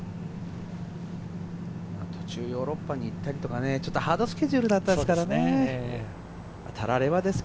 途中、ヨーロッパに行ったりとか、ハードスケジュールだったですからね。たらればですか。